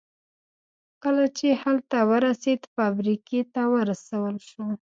کله چې هلته ورسېد فابریکې ته ورسول شو